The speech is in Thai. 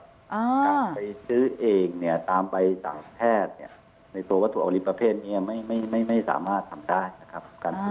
การไปซื้อเองเนี่ยตามใบต่างแพทย์ในตัววัตถุโอลิปประเภทนี้ไม่สามารถทำได้นะครับ